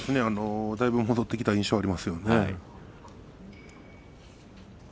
だいぶ戻ってきた印象がありますね。